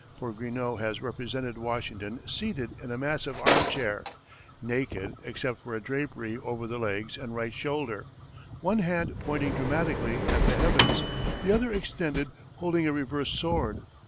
For Greenough has represented Washington seated in a massive armchair, naked except for a drapery over the legs and right shoulder, one hand pointing dramatically at the heavens, the other extended holding a reversed sword.